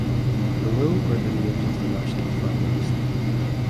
Below are the names of the national finalist.